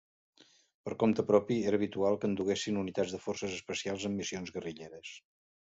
Per compte propi, era habitual que en duguessin unitats de forces especials en missions guerrilleres.